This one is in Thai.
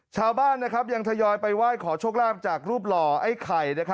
ชาวบ้านยังทยอยไปไหว้ขอโชคลาภจากรูปหล่อไอ้ไข่